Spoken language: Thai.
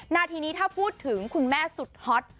นาทีนี้ถ้าพูดถึงคุณแม่สุดฮอต